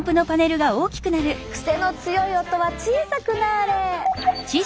クセの強い音は小さくなれ！